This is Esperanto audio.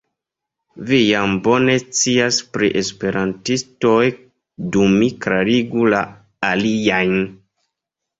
Vi jam bone scias pri esperantistoj, do mi klarigu la aliajn.